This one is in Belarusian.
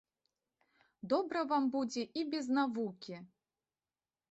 Добра вам будзе і без навукі!